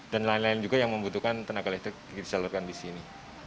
lain lain juga yang membutuhkan tenaga listrik disalurkan di sini